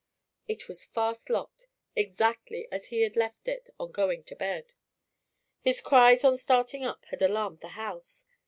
It was fast locked, exactly as he had left it on going to bed. His cries on starting up had alarmed the house.